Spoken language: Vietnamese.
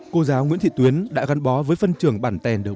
cô giáo nguyễn thị tuyến đã gắn bó với phân trường bản tèn đầu